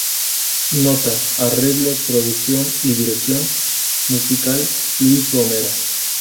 Nota: Arreglos, Producción y Dirección Musical: Luis Romero